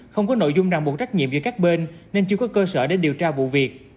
không có nội dung ràng buộc trách nhiệm giữa các bên nên chưa có cơ sở để điều tra vụ việc